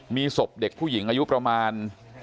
มีศพเด็กผู้หญิงอายุประมาณ